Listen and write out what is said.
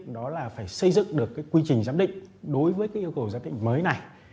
đó là phải xây dựng được cái quy trình giám định đối với cái yêu cầu giám định mới này